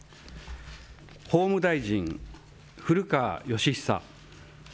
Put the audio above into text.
法務大臣、古川禎久。